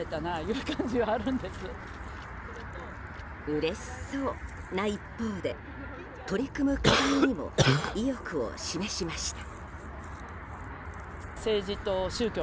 うれしそうな一方で取り組む課題にも意欲を見せました。